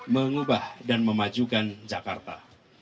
mengubah dan memajukan jakarta